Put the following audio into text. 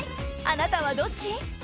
あなたはどっち？